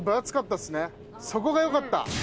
・そこが良かった！